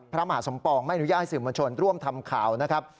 พระมหาสมปองไม่อนุญาตให้สื่อมวลชนร่วมทำข่าวนะครับ